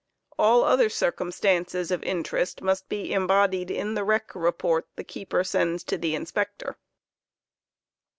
All other circumstances of interest must be embodied in the wreck report the keeper sends to the Inspector.